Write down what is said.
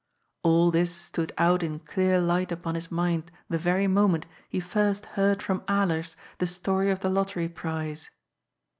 All this stood out in clear light upon his mind the very moment he first heard from Alers the story of the lottery, prize.